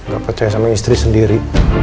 gak percaya sama istri sendiri